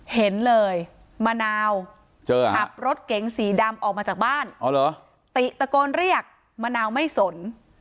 เห็นเลยมะนาวขับรถเก๋งสีดำออกมาจากบ้านติตะโกนเรียกมะนาวไม่สน